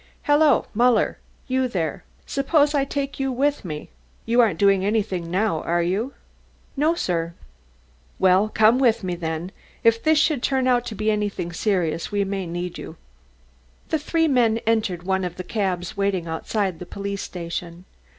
"Hello, Muller; you there? Suppose I take you with me? You aren't doing anything now, are you?" "No, sir. "Well, come with me, then. If this should turn out to be anything serious, we may need you." The three men entered one of the cabs waiting outside the police station.